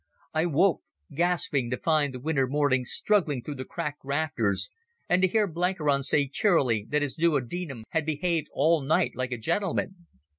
I woke, gasping, to find the winter morning struggling through the cracked rafters, and to hear Blenkiron say cheerily that his duodenum had behaved all night like a gentleman.